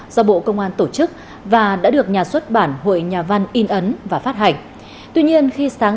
rất là bà con rất là trách nhiệm